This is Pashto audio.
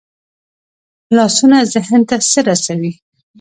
لاسونه ذهن ته څه رسوي